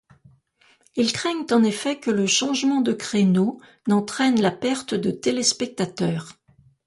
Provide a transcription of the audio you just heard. Ils craignent en effet que le changement de créneau n'entraîne la perte de téléspectateurs.